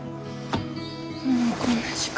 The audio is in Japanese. もうこんな時間。